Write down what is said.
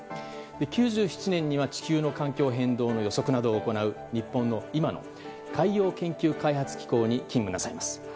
９７年には地球の環境変動の予測などを行う日本の、今の海洋研究開発機構で勤務なさいます。